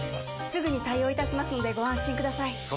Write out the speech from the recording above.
すぐに対応いたしますのでご安心ください